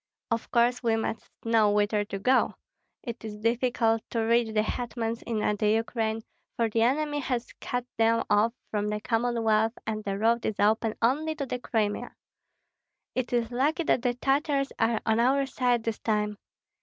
"Of course we must know whither to go. It is difficult to reach the hetmans in the Ukraine, for the enemy has cut them off from the Commonwealth and the road is open only to the Crimea. It is lucky that the Tartars are on our side this time.